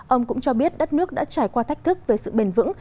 ông cũng cho biết đất nước đã trải qua thách thức về sự bền vững